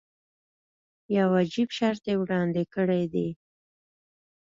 یو عجیب شرط یې وړاندې کړی دی.